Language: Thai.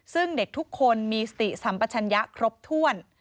ซึ่งเด็กทุกคนมีสติสัมปชัญญะครบถ้วน